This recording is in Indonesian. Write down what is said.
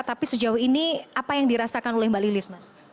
tapi sejauh ini apa yang dirasakan oleh mbak lilis